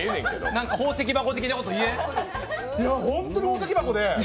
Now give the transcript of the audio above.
何か宝石箱的なこと言え。